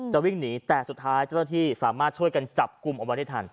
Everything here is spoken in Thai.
วิ่งหนีแต่สุดท้ายเจ้าหน้าที่สามารถช่วยกันจับกลุ่มเอาไว้ได้ทัน